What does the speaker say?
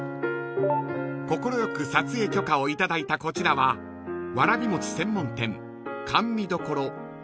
［快く撮影許可を頂いたこちらはわらびもち専門店］